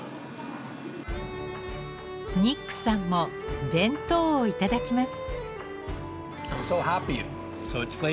ニックさんも弁当をいただきます。